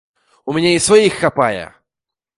У мяне і сваіх хапае!